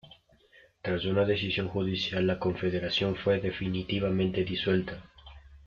Tras una decisión judicial la Confederación fue definitivamente disuelta.